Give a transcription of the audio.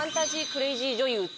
クレイジーなの？